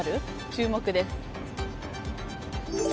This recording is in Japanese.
注目です。